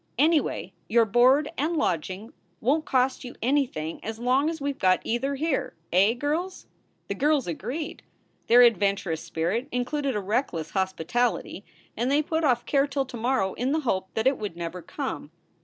Anyway, your board and lodging won t cost you anything as long as we ve got either here, eh, girls?" The girls agreed. Their adventurous spirit included a reckless hospitality and they put off care till to morrow in the hope that it would never come.